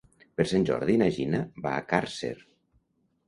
Per Sant Jordi na Gina va a Càrcer.